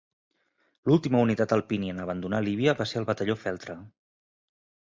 L'última unitat Alpini en abandonar Líbia va ser el batalló "Feltre".